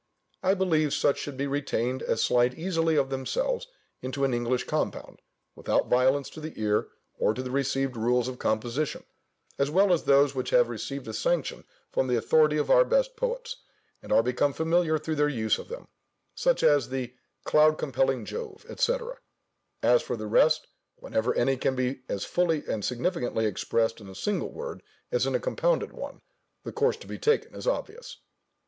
I believe such should be retained as slide easily of themselves into an English compound, without violence to the ear or to the received rules of composition, as well as those which have received a sanction from the authority of our best poets, and are become familiar through their use of them; such as "the cloud compelling Jove," &c. As for the rest, whenever any can be as fully and significantly expressed in a single word as in a compounded one, the course to be taken is obvious.